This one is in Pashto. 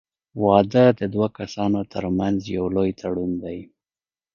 • واده د دوه کسانو تر منځ یو لوی تړون دی.